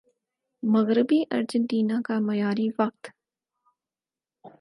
مغربی ارجنٹینا کا معیاری وقت